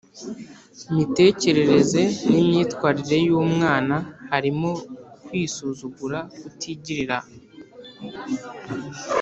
mitekerereze n’ imyitwarire y’umwana. Harimo kwisuzugura, kutigirira